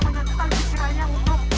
menentukan pikirannya untuk